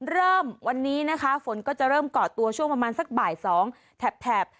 เริ่มวันนี้นะคะฝนก็จะเริ่มเกาะตัวช่วงประมาณสักบ่าย๒แถบ